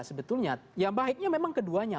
sebetulnya yang baiknya memang keduanya